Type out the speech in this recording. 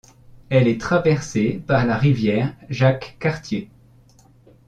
Elle est traversée par la rivière Jacques-Cartier.